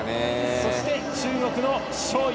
そして、中国の章勇。